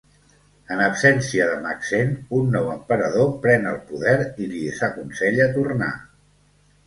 En absència de Macsen, un nou emperador pren el poder i li desaconsella tornar.